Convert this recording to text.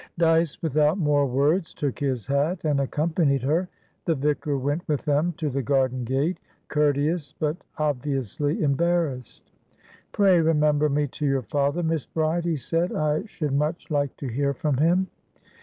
Dyce, without more words, took his hat and accompanied her; the vicar went with them to the garden gate, courteous but obviously embarrassed. "Pray remember me to your father, Miss Bride," he said. "I should much like to hear from him."